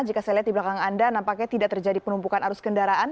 jika saya lihat di belakang anda nampaknya tidak terjadi penumpukan arus kendaraan